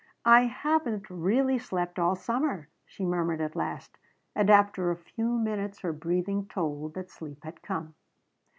"I haven't really slept all summer," she murmured at last, and after a few minutes her breathing told that sleep had come.